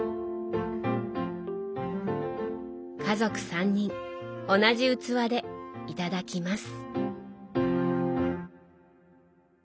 家族３人同じ器でいただきます。